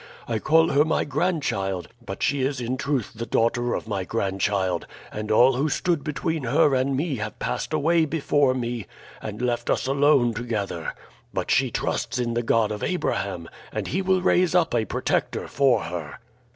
I call her my grandchild, but she is in truth the daughter of my grandchild, and all who stood between her and me have passed away before me and left us alone together. But she trusts in the God of Abraham, and he will raise up a protector for her."